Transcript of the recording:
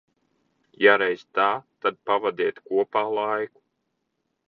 Ja reiz tā, tad pavadiet kopā laiku.